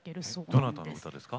どなたの歌ですか？